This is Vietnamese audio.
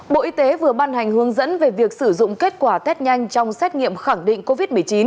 bộ y tế vừa ban hành hướng dẫn về việc sử dụng kết quả test nhanh trong xét nghiệm khẳng định covid một mươi chín